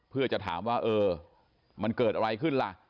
เพื่อจะถามว่าเออมันเกิดอะไรขึ้นล่ะ